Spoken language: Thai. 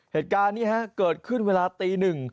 เหตุการณ์นี้เกิดขึ้นเวลาตีหนึ่ง